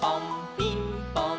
ピンポン！